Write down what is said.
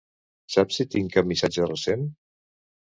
Saps si tinc cap missatge recent?